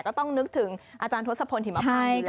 ก็ต้องนึกถึงอาจารย์ทศพลหิมพานอยู่แล้ว